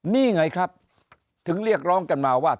นี่ไงครับถึงเรียกร้องกันมาว่า